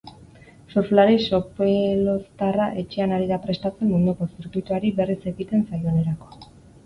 Surflari sopeloztarra etxean ari da prestatzen munduko zirkuituari berriz ekiten zaionerako.